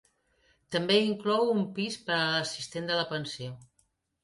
També inclou un pis per a l'assistent de la pensió.